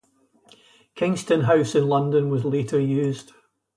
Kingston House in London was later used.